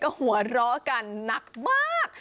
ก็หัวเราะกันหนักมาก